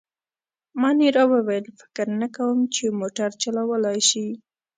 مانیرا وویل: فکر نه کوم، چي موټر چلولای شي.